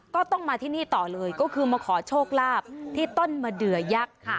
ก็ต้องมาที่นี่ต่อเลยก็คือมาขอโชคลาภที่ต้นมะเดือยักษ์ค่ะ